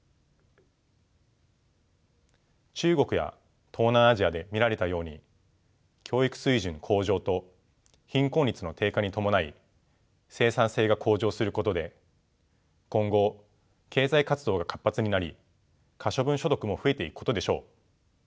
中国や東南アジアで見られたように教育水準向上と貧困率の低下に伴い生産性が向上することで今後経済活動が活発になり可処分所得も増えていくことでしょう。